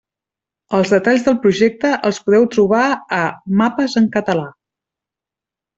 Els detalls del projecte els podeu trobar a «Mapes en català».